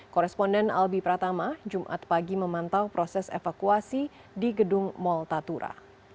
koresponden albi pratama jumat pagi memantau proses evakuasi di gedung mall tatura